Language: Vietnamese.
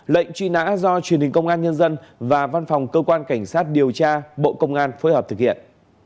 lệnh truy nã do truyền hình công an nhân dân và văn phòng cơ quan cảnh sát điều tra bộ công an phối hợp thực hiện